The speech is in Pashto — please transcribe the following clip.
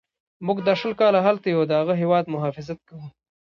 موږ دا شل کاله هلته یو او د هغه هیواد مخافظت کوو.